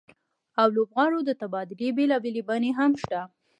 او لوبغاړو د تبادلې بېلابېلې بڼې هم شته